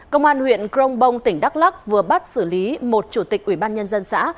công an huyện crong bong tỉnh đắk lắc vừa bắt xử lý một chủ tịch ủy ban nhân dân xã